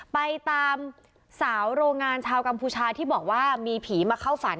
ไปตามสาวโรงงานชาวกัมพูชาที่บอกว่ามีผีมาเข้าฝัน